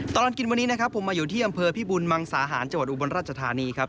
ตลอดกินวันนี้นะครับผมมาอยู่ที่อำเภอพิบุญมังสาหารจังหวัดอุบลราชธานีครับ